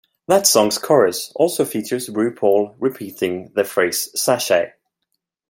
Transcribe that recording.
That song's chorus also features RuPaul repeating the phrase Sashay!